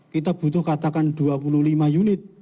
kita butuh katakan dua puluh lima unit